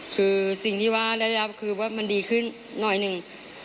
คือสิ่งที่ว่าได้รับคือว่ามันดีขึ้นหน่อยหนึ่ง